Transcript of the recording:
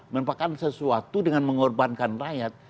tidak ada sesuatu dengan mengorbankan rakyat